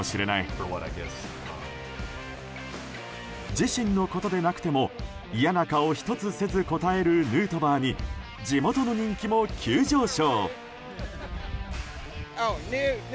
自身のことでなくても嫌な顔一つせず答えるヌートバーに地元の人気も急上昇。